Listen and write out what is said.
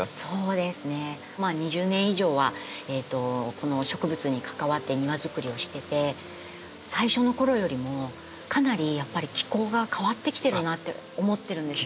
まあ２０年以上はこの植物に関わって庭づくりをしてて最初のころよりもかなりやっぱり気候が変わってきてるなって思ってるんですよ。